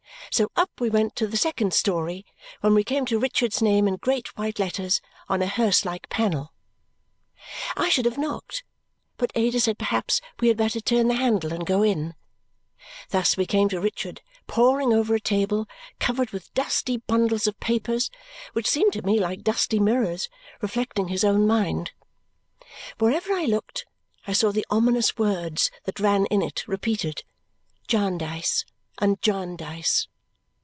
So up we went to the second story, when we came to Richard's name in great white letters on a hearse like panel. I should have knocked, but Ada said perhaps we had better turn the handle and go in. Thus we came to Richard, poring over a table covered with dusty bundles of papers which seemed to me like dusty mirrors reflecting his own mind. Wherever I looked I saw the ominous words that ran in it repeated. Jarndyce and Jarndyce.